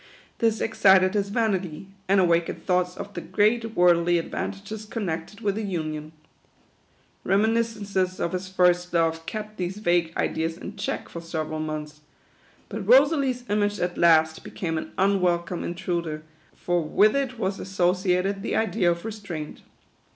This ex cited his vanity, and awakened thoughts of the great worldly advantages connected with a union. Remi niscences of his first love kept these vague ideas in check for several months ; but Rosalie's image at last became an unwelcome intruder ; for with it was asso ciated the idea of restraint.